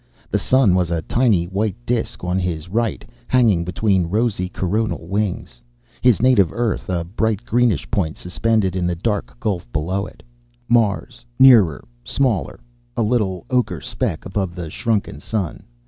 The sun was a tiny white disk on his right, hanging between rosy coronal wings; his native Earth, a bright greenish point suspended in the dark gulf below it; Mars, nearer, smaller, a little ocher speck above the shrunken sun.